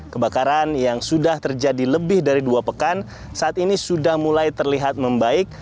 kebakaran yang sudah terjadi lebih dari dua pekan saat ini sudah mulai terlihat membaik